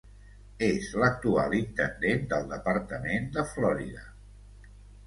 És l'actual intendent del departament de Florida.